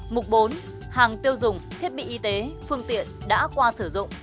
mục bốn hàng tiêu dùng thiết bị y tế phương tiện đã qua sử dụng